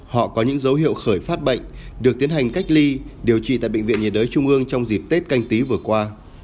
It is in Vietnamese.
họ có những dấu hiệu khởi phát bệnh được tiến hành cách ly điều trị tại bệnh viện nhiệt đới trung ương trong dịp tết canh tí vừa qua